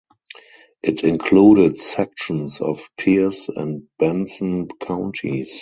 It included sections of Pierce and Benson counties.